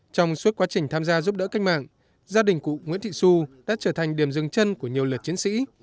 trong suốt quá trình tham gia giúp đỡ cách mạng gia đình cụ nguyễn thị xu đã trở thành điểm dừng chân của nhiều lượt chiến sĩ